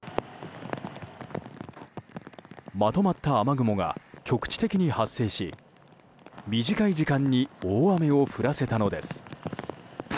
まとまった雨雲が局地的に発生し短い時間に大雨を降らせたのです。